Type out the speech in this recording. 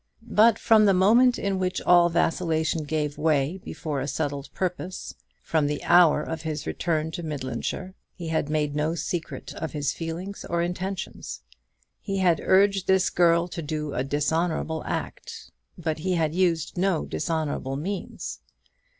But from the moment in which all vacillation gave way before a settled purpose from the hour of his return to Midlandshire he had made no secret of his feelings or intentions. He had urged this girl to do a dishonourable act, but he had used no dishonourable means.